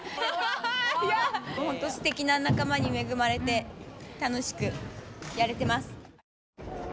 すてきな仲間に恵まれて楽しくやれてます。